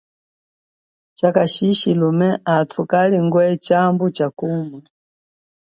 Chakashishi lume, athu kalingwe tshambu cha kuma.